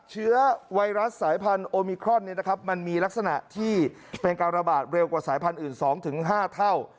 เชื้อไวรัสสายพันธุ์โอมิครอนมันมีลักษณะที่เป็นการระบาดเร็วกว่าสายพันธุ์อื่น๒๕เท่า